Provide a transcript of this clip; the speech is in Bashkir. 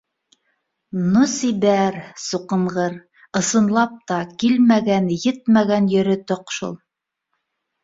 Ну сибәр, суҡынғыр, ысынлап та килмәгән-ет- мәгән ере тоҡ шул